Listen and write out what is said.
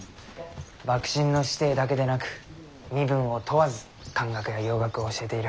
幕臣の子弟だけでなく身分を問わず漢学や洋学を教えている。